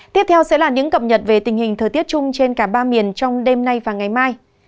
tiếp theo sẽ là những cập nhật về tình hình thời tiết chung trên cả ba miền trong đêm nay và ngày mai